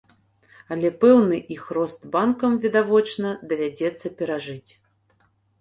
Але пэўны іх рост банкам, відавочна, давядзецца перажыць.